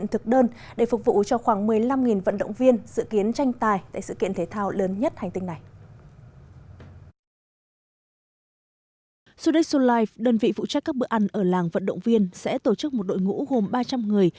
sudan lai đơn vị phụ trách các bữa ăn ở làng vận động viên sẽ tổ chức một đội ngũ gồm ba trăm linh người